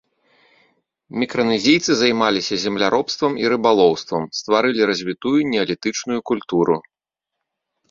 Мікранезійцы займаліся земляробствам і рыбалоўствам, стварылі развітую неалітычную культуру.